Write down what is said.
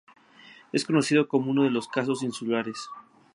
Es conocido como uno de los Casos insulares.